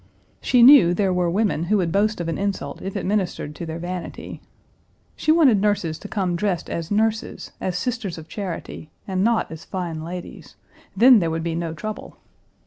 She knew there were women who would boast of an insult if it ministered to their vanity. She wanted nurses to come dressed as nurses, as Sisters of Charity, and not as fine ladies. Then there would be no trouble.